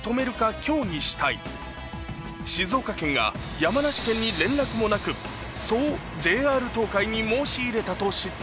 山梨県に連絡もなく修ＪＲ東海に申し入れたと知って。